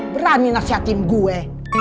berani nasehatin gue